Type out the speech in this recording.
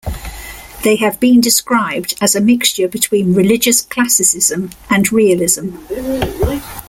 They have been described as a mixture between religious classicism and realism.